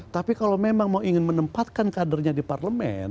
tapi kalau memang mau ingin menempatkan kadernya di parlemen